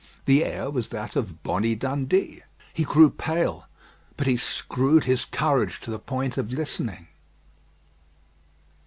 The air was that of "Bonnie Dundee." He grew pale, but he screwed his courage to the point of listening.